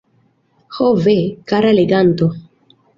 Ho ve, kara leganto!